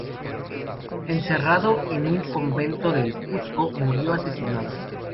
Encerrado en un convento del Cuzco, murió asesinado.